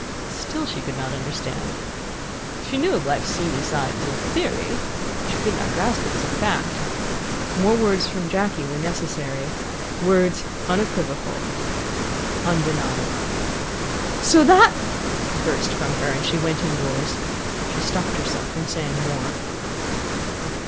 Still she could not understand. She knew of life's seamy side as a theory; she could not grasp it as a fact. More words from Jacky were necessary words unequivocal, undenied. "So that " burst from her, and she went indoors. She stopped herself from saying more.